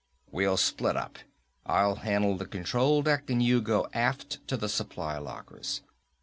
"We'll split up. I'll handle the control deck and you go aft to the supply lockers.